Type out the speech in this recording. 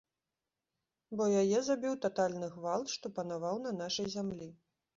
Бо яе забіў татальны гвалт, што панаваў на нашай зямлі.